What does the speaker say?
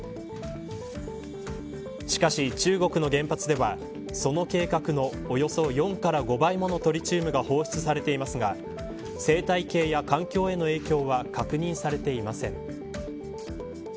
しかし、中国の原発ではその計画のおよそ４から５倍ものトリチウムが放出されていますが生態系や環境への影響は確認されていません。